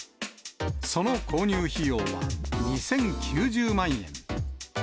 その購入費用は、２０９０万円。